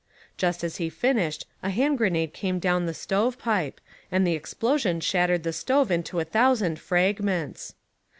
Just as he finished a hand grenade came down the stove pipe, and the explosion shattered the stove into a thousand fragments.